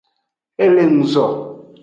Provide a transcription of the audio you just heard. E le nguzo.